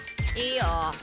いいよ。